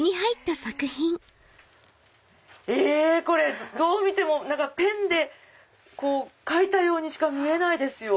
え⁉どう見てもペンで描いたようにしか見えない。